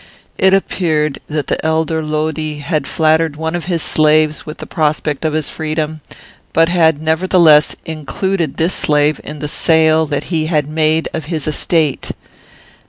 It appeared that the elder Lodi had flattered one of his slaves with the prospect of his freedom, but had, nevertheless, included this slave in the sale that he had made of his estate.